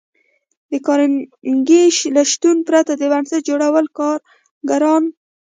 د کارنګي له شتون پرته د بنسټ جوړول ګران کار و